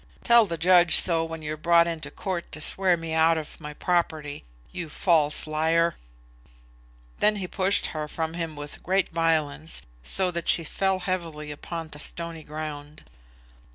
Tell the judge so, when you're brought into court to swear me out of my property. You false liar!" Then he pushed her from him with great violence, so that she fell heavily upon the stony ground.